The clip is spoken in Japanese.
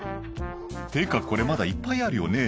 「ってかこれまだいっぱいあるよね」